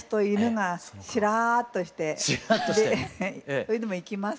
それでも行きます。